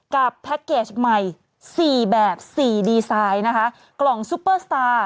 แพ็คเกจใหม่๔แบบ๔ดีไซน์นะคะกล่องซุปเปอร์สตาร์